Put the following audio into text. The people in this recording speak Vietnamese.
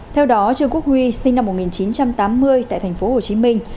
theo đó trương quốc huy sinh năm một nghìn chín trăm tám mươi tại thành phố hồ chí minh